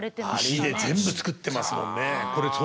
石で全部造ってますもんね。